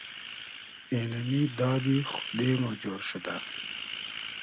اېنئمی دادی خودې مو جۉر شودۂ